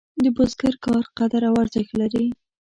د بزګر کار قدر او ارزښت لري.